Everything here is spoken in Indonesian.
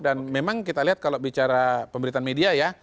dan memang kita lihat kalau bicara pemberitaan media ya